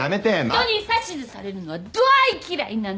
人に指図されるのはどぅわい嫌いなの！